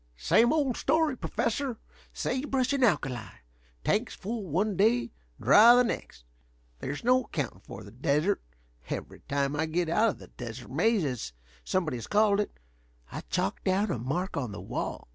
"Same old story, Professor. Sage brush and alkali. Tanks full one day, dry the next. There's no accounting for the desert. Every time I get out of the Desert Maze, as somebody has called it, I chalk down a mark on the wall."